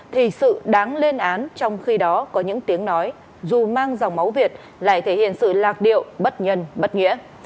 thì sự đáng lên án trong khi đó có những tiếng nói dù mang dòng máu việt lại thể hiện sự lạc điệu bất nhân bất nghĩa